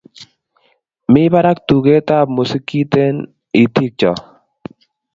mi barak tugetab musikit eng' itikcho